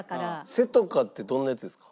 せとかってどんなやつですか？